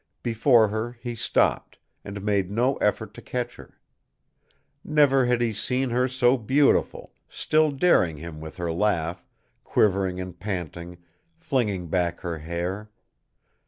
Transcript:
Before her he stopped, and made no effort to catch her. Never had he seen her so beautiful, still daring him with her laugh, quivering and panting, flinging back her hair.